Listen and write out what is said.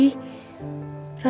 kita bisa berdua